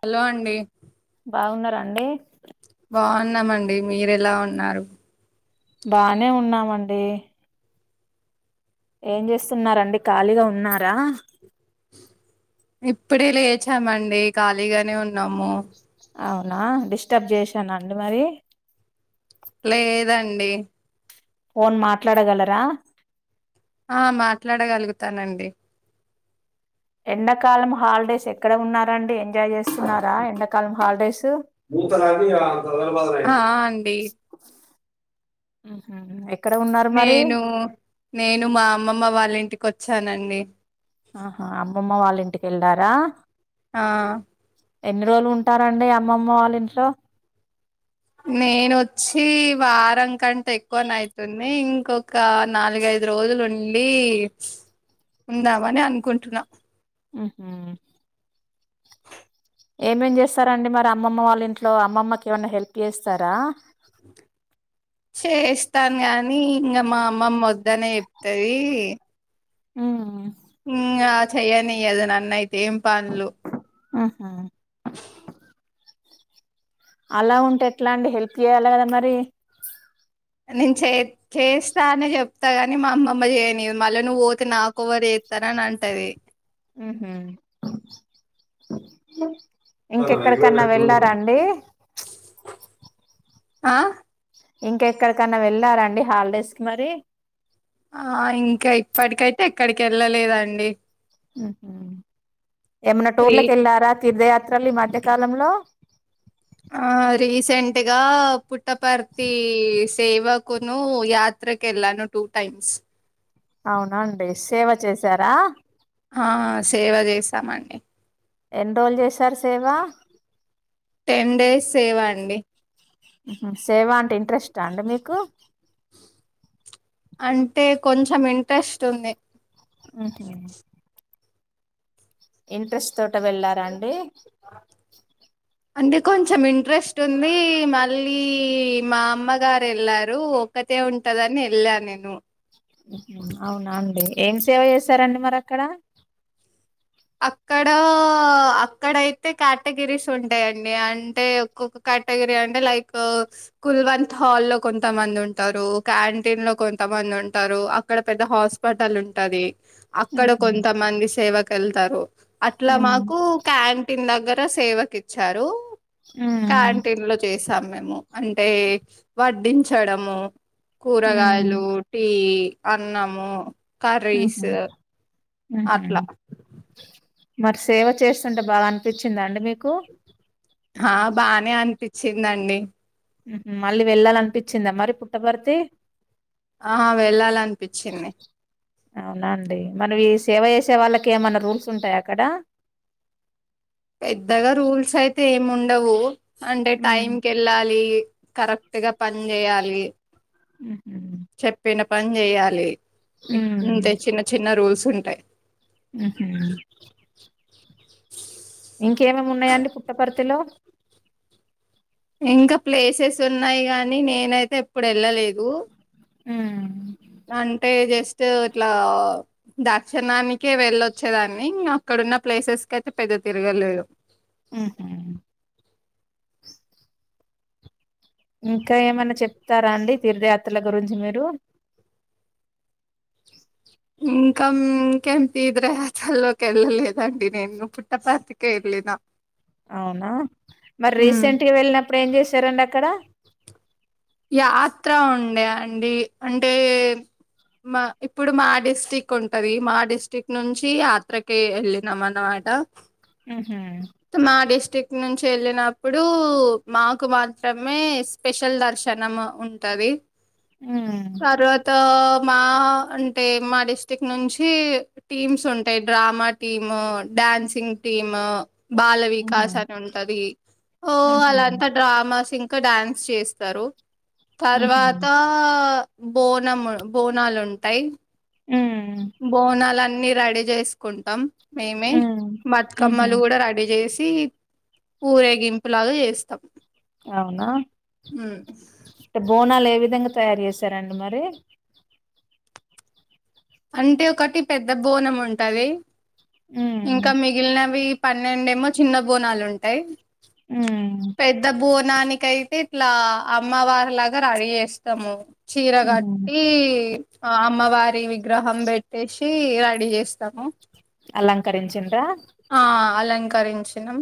Hollow అండి. బాగున్నారా అండి. బాగున్నామండి మీరెలా ఉన్నారు బానే ఉన్నాం అండీ ఏం చేస్తున్నారండి ఖాళీగా ఉన్నారా. ఇప్పుడే లేచామండీ ఖాళీగానే ఉన్నాము. అవునా డిస్టర్బ్ చేశానా అండి మరీ. లేదండి ఫోన్ మాట్లాడగలరా ఆ మాట్లాడగలుగుతానండి. ఎండాకాలం హాలిడేస్ ఎక్కడ ఉన్నారండి ఎంజాయ్ చేస్తున్నారా ఎండాకాలం హాలిడేసు. ఆ ఆ అండీ ఊహు ఎక్ నేనూ నేను మా అమ్మమ్మ వాళ్ళింటికి వచ్చానండి. ఆహా అమ్మమ్మ వాళ్ళింటికి ఎళ్లారా ఆ ఎన్ని రోజులు ఉంటారండి అమ్మమ్మ వాళ్ళ ఇంట్లో. నేనొచ్చీ వారం కంటే ఎక్కువనైతుందీ ఇంకొక్కా నాలుగుఐద్ ఐదు రోజులు ఉండీ ఉందామని అనుకుంటున్నా ఊహ్మూ ఏంమేం చేస్తారండి మరి అప్ అమ్మమ్మ వాళ్ళ ఇంట్లో అమ్మమ్మకి ఏమన్నా హెల్ప్ కి చేస్తారా. చేస్తాను గానీ ఇంగా మా అమ్మమ్మ వద్దనే చెప్తదీ. ఊ ఇంగా చెయ్యనియ్యదు నన్నైతే ఏం పనులు. ఆహా అలా ఉంటే ఎట్లా అండి హెల్ప్ జెయ్యాల కదా మరీ. నేను చే చేస్తా అనే చెప్తా గాని మా అమ్మమ్మ చెయ్యనియ్యదు మళ్ళా నువ్వు పోతే నాకొవరు చేత్ తన నంటదీ ఊహు ఇంకెక్కడికన్నా వెళ్లారా అండీ ప్చ్ ఆ ఇంకెక్కడికన్నా వెళ్ళారండి హాలిడేస్ కి మరీ. ఆ ఇంకా ఇప్పటికైతే ఎక్కడికి ఎళ్ళలేదండి. ఊహు ఏమన్నా రీ టూర్లకి ఎళ్ళారా తిర్ధ యాత్ త్రలు ఈ మధ్యకాలంలో ఆ రీసెంట్గా పుట్టపర్తీ సేవక్ కునూ యాత్రక్ ఎళ్ళాను టూ టైమ్స్ అవునా అండి సేవ చేశారా. హా సేవ చేశామండి. ఎన్రోజులు చేశారు సేవా. టెన్ డేస్ సేవ అండి ఊహు సేవా అంటే ఇంట్రెస్టా అండి మీకు. అంటే కొంచెం ఇంట్రెస్ట్ ఉంది. ఉహు ఇంట్రెస్ట్ తోటే వెళ్ళారా అండీ. అంటే కొంచెం ఇంట్రెస్ట్ ఉందీ మళ్ళీ మా అమ్మగారు ఎళ్లారూ ఒకత్ తే ఉంటదని ఎల్లాన్ నేను. అవునా అండి ఏం సేవ చేశారండి మరి అక్కడ అక్కడ అక్కడయితే కటగిరీస్ ఉంటాయండి అంటే ఒక్కొక్క [unintelligible] అంటే లైక్ కుల్వంత్ హాలో కొంతమంది ఉంటారు క్యాంటీన్ లో కొంత మంది ఉంటారు అక్కడ పెద్ద హాస్పిటల్ ఉంటది అక్కడ ఉహు కొంతమంది సేవకు ఎళ్తారు అట్ల ఉ మాకు క్యాన్ టీన్ దగ్గర సేవకి ఇచ్చారు ఉ క్యాంటీన్ లో చేసాం మేము అంటే వడ్డించడము కూరగాయలు టీ అన్నము ఉ ఉహు కర్రీసు ఉహు అట్ల మరి సేవ చేస్తుంటే బాగ అనిపించిందా అండి మీకు ఆ బానే అనిపించిదండి మళ్ళీ వెళ్ళాలనిపించింద మరి పుట్టపర్తి ఆ వెళ్ళాలనిపించింది అవునా అండి ఏమన్న ఈ సేవ చేసే వాళ్ళకి ఏమన్న రూల్స్ ఉంటాయ అక్కడ పెద్దగా రూల్స్ అయితే ఏమి ఉండవు అంటే టైం హ్మ్. కెళ్ళాలి కరె కరెక్ట్గా పని చేయాలి ఉహు చెప్పిన పని చేయాలి ఇంతే ఉమ్ చిన్న చిన్న రూల్స్ ఉంటయ్ ఉహు ఇంకేమన్న ఉన్నాయాండి పుట్టపర్తి లో ఇంకా ప్లేసెస్ ఉన్నాయి గాని నేనైతే ఇప్పుడు ఎళ్ళలేదు ఉమ్ అంటే జె ఇట్ల దర్శనానికి వెళ్ళొచ్చేదాన్ని అక్కడున్న ప్లేసెస్ కయితే పె తిరు [unintelligible] ఉహు ఇంకా ఏమైన చెప్తారాండి తీర్థయాత్రల గురించి మీరు ఇంక ఎమ్ త్రియాత్రలొకెళ్ళ లేదండి నేను పుట్టపర్తికి [unintelligible] లేన అవునా మరి రీసెంట్ గ వెళ్ళినప్పుడు ఏం చేసారండి అక్కడ యాత్ర ఉండే అండి అంటే మా ఇప్పుడు మా డిస్టిక్ ఉంటది మా డిస్టిక్ట్ నుంచి యాత్రకి వెళ్ళినాం అనమాట ఉహు ఇటు నుంచి వెళ్ళినప్పుడు మాకు మాత్రమే స్పెషల్ దర్ష్ క్షణం ఉంటది తర్వాత ఆ మా అంటే మా డిస్ట్రిక్ట్ నుంచి టీమ్స్ ఉంటాయ్ డ్రామ టీమ్ డ డాన్సింగ్ టీము బాల ఉహు వికాస్ అని ఉంటది ఓ ఉహు [unintelligible] డ్రామాస్ ఇం ఇంక డాన్స్ చేస్తారు ఉహు తర్వాత బోనం బోనాలు ఉంటాయి ఉమ్ బోనాలు అన్ని రెడీ చేసుకుంటాం మేమే ఉమ్ ఉహు బతుకమ్మలు కూడ రెడీ చేస్ ఊరేగింపు లాగ చేస్తాం అవునా ఉమ్. బోనాలు ఏవి [unintelligible] తయారు చేసారండి మరి అంటే ఒకటి పెద్ద బోనం ఉంటది ఉమ్ ఇంకా మిగిలినవి పన్నెండేమో చిన్న బోనాలు ఉంటాయ్ హు నానికైయితే ఇట్లా అమ్మవారి లాగ రెడీ యేస్తాము. చీర ఉహు గట్టీ ఇ అ అమ్మవారి వీ. గ్రహం బెట్టేసిఇ రడీ యేస్తాము. అలంకరించిన్ ర్రా. ఇంకారించినం.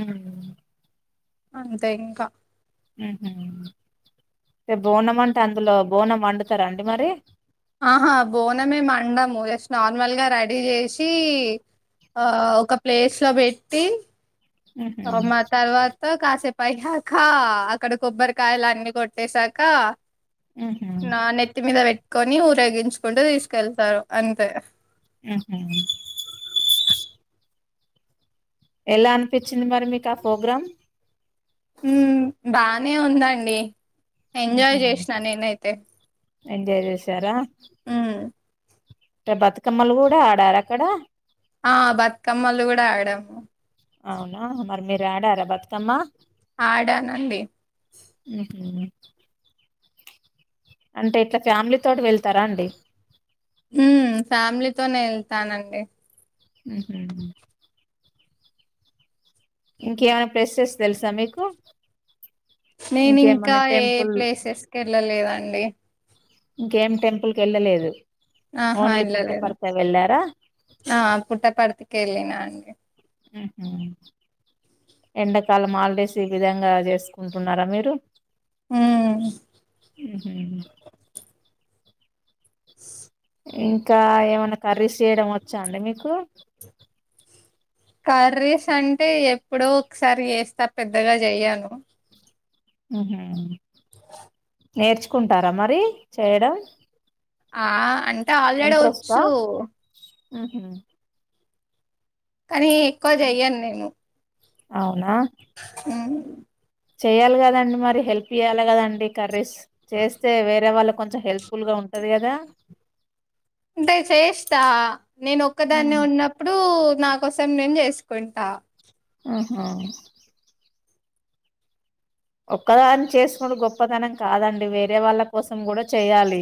ఉమ్. అంతే ఇంకా. ఉహు అంటే బోనం అంటే అందులో బోన మండుతారా అండి మరీ. ఆహా బోనమే మండము జస్ట్ నార్మల్ గా రెడీ ఏసి ఇ. ఆ ఒక ప్లేస్ లో బెట్టి. ఉహు అ మా తర్వా త్. ఓ కాసేపు అయ్యాక అక్కడ కొబ్బరికాయలు అన్ని కొట్టే సాక. ఉహు నా నెత్తి మీద వెట్టుకొని ఊరేగించుకుంటు తీసుకెళ్తారు అంతే ఉహు. ఏలా అనిపించింది మరి మీకు ఆ ప్రోగ్రాం. ఉమ్ బానే ఉందండి ఉహు ఎంజాయ్ జెసినా నినైతే. ఎంజాయ్ జెసారా. ఉమ్. అంటే బతుకమ్మలు గూడా ఆడార అక్కడ. ఆ బతుకమ్మలు గూడా ఆడాము. మి రాడారా బతుకమ్మ. ఆడానండి. ఉహు అంటే ఇట్లా ఫ్యామిలీ తోటి వెళ్తారా అండి. ఉమ్ ఫ్యామిలీతోనే ఎళ్తానండి. ఉహు హు. ఇంకేమైనా ప్లేసెస్ తెల్సా మీకు. నేను ఇంకా ఇంకేమన్నా ఏ టెంపుల్ ప్లేసెస్కి ఎళ్ళలేదండి. ఇంకేం టెంపుల్ కెళ్ళలేదు. ఆహా ఎల్లాలేదు ఆ పుట్ట పర్తికి ఎల్లిన అండి. ఎండకాలమ్ హాలీడ్స్ ఈ విధంగా జెసుకుంటున్నారా మీరు. ఉమ్ ఉమ్. ఇంకా ఏమన్న కర్రీస్ జెయడం వోచ్చా అండి మీకు. కర్రీస్ అంటే ఎప్పుడో ఒకసారి ఎస్తా పెద్దగా జెయ్యను ఆహ. నేర్చుకుంటారా మరి చేయడం. ఆ అంటే ఆల్రెడీ ఓచ్చు. ఉహు. కానీ ఎక్కువ జెయ్యాను నేను. అవునా. ఉహు. చెయ్యాలి గదండి మరి హెల్ప్ జెయ్యాలి కదండి కర్రీస్. చేస్తే వేరే వాళ్ళ కొంచెం హెల్ప్ఫుల్ గా ఉంటది గదా. అంటే చేస్తా నేను ఒక్కదాన్నే ఉన్నప్పుడు. నా కోసం నేన్ జేసుకుంటా ఆహా ఒక్కదాన్ చేసుకుంట గొప్పతనం కాదండి వేరే వాళ్ళ కోసం గుడా చెయ్యాలి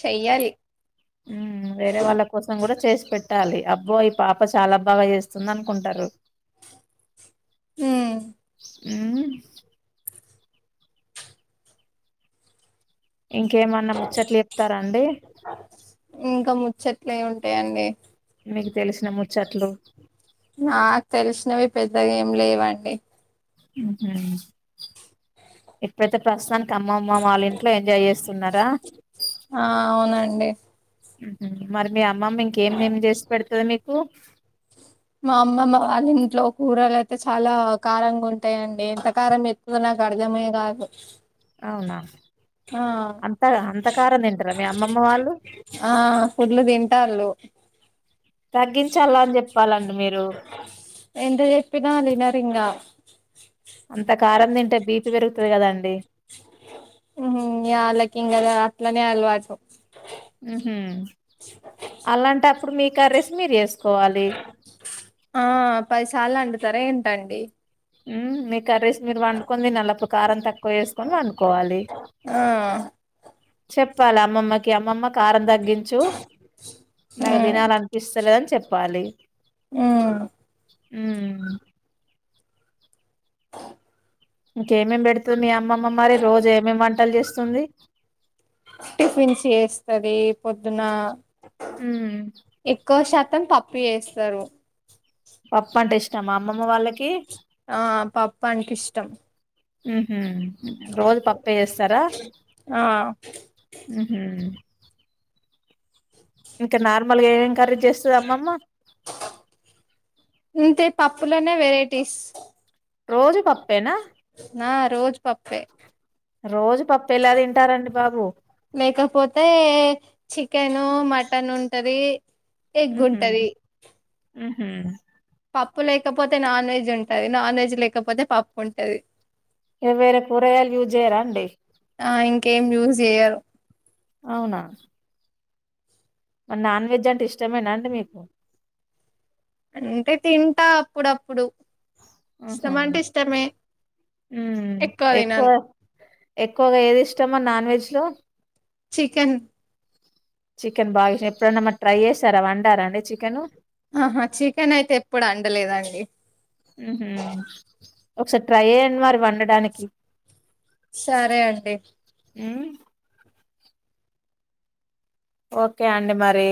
చయ్యాలి ఊ వేరే వాళ్ళ కోసం గూడా చేసి పెట్టాలి అబ్బో ఈ పాప చాలా బాగా జేస్తుందన్ కుంటారు ఊ ఉ ఇంకేమన్నా ముచ్చట్లు ఎప్తారా అండి ఇంకా ముచ్చట్లేముంటాయండి మీకు తెలిసిన ము నాక్ తెలిసినవి పెద్దగా ఏమ్ లేవండి ఊహు ఇప్ప్డైతే ప్రస్తుథాన్ కమ్మమ్మ వాళ్ళింట్లో ఎంజాయ్ జేస్తున్నారా ఆ అవునండి ఉహు మరి మీ అమ్మమ్మ ఇంకేం నేమ్ జేస్పెడ్తది మీకు మా అమ్మమ్మ వాళ్ళింట్లో కూరలైతే చాలా కారంగుంటాయండి ఎంత కారం ఎత్తుదో న కర్దమేగాదు అవునా అంతగ అంతకారం దింటరా మీ అమ్మమ్మ వాళ్ళు ఆ ఫుడ్లు దింటాల్లు తగ్గించాల అన్ జొప్పాలండి మీరు వినరింగా అంత కారం దింటే బీపి పెరుగుతది గదా అండి ఉహు యాళ్ళకింగ అదా అట్లనే అల్వాటు ఉహూ అలాంటప్పుడు మీ కర్రేస్ మీర్ జేస్ ఆ పదిసార్లండుతార ఏంటండి ఊ మిక్ కర్రీస్ మీరు వండుకొని దినల్లప్పుడు కారం తక్కువ ఏస్కొని వండుకోవాలి ఆ చెప్పాల అమ్మమ్మకి అమ్మమ్మ కారం దగ్గించు నాకు ఉమ్ దినాలనిపిస్తలేదని చొప్పాలి ఊ ఊమ్ ఇంకేమేమ్ బెడ్తతద్ మీ అమ్ అమ్మమ్మ మరి రోజు ఏమేమ్ వంటల్ జేస్తుంది పొద్దునా ఎక్కువ శాతం పప్పు జేస్తారు పప్పంటే ఇష్టమా అమ్మమ్మ వాళ్ళకి ఆ పప్పాయానికిష్టం ఉహూ రోజ్ పప్పే జేస్తరా ఆ ఊహూ ఇంక నార్మల్ గా ఏం కర్రీ జేస్తుది అమ్మమ్మ కుండనే వెరైటీస్ రోజు పప్ నా రోజ్ పప్పే రోజు పప్పు ఎలా తింటారండి బాబు లేకపోతే చికెను మటనుంటది ఎగ్గుంటది ఉహు పప్పు లేకపోతే నాన్ వెజ్ ఉంటది నాన్ వెజ్ లేకపోతే పప్పు ఉంటది ఇక వేరే కూరగాయలు యూజ్ చేయరా అండి ఆ ఇంకేం యూస్ చెయారు అవునా మరి నాన్ వెజ్ అంటే ఇష్టమేనా అండి మీకు అంటే తింటా అప్పుడప్పుడు ఇష్టమ అంటే ఇష్టమే ఉమ్ ఎక్కువ ఎక్కువగా ఏది ఇష్టామా నాన్ వెజ్ లో చికెన్ చికెన్ బాగా ఎప్పుడన్నా మరి ట్రై చేసారా వండారా అండి చికెను ఆహా చికెన్ అయితే ఎప్పుడు అండలేదండి మ్మ్ ఒకసారి ట్రై అయ్యడి మరి వండడానికి సరే అండి ఉమ్ ఓకే అండి మరి